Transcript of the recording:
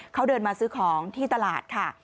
เขาเดินมาซื้อของที่ตลาดค่ะ